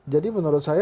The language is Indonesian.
jadi menurut saya